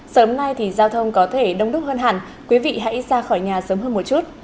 sớm nay thì giao thông có thể đông đúc hơn hẳn quý vị hãy ra khỏi nhà sớm hơn một chút